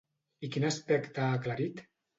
I quin aspecte ha aclarit?